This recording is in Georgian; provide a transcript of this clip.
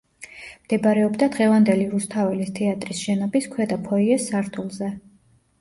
მდებარეობდა დღევანდელი რუსთაველის თეატრის შენობის ქვედა ფოიეს სართულზე.